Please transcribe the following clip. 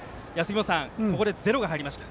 ここでゼロが入りました。